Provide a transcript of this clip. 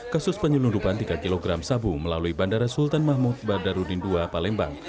kasus penyelundupan tiga kg sabu melalui bandara sultan mahmud badarudin ii palembang